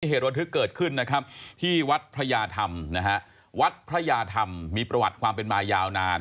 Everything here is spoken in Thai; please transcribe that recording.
เหตุระทึกเกิดขึ้นนะครับที่วัดพระยาธรรมนะฮะวัดพระยาธรรมมีประวัติความเป็นมายาวนาน